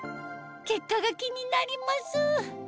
結果が気になります！